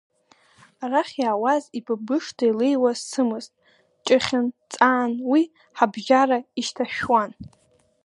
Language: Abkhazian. Арахь иаауаз ибыбышӡа илеиуаз сымызт, ҷыхьын, ҵаан, уи ҳабжьара ишьҭашәуан.